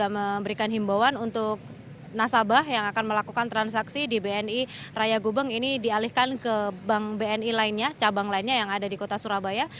jadi ini juga memberikan himbauan untuk nasabah yang akan melakukan transaksi di bni raya gubeng ini dialihkan ke bank bni lainnya cabang lainnya yang ada di kota surabaya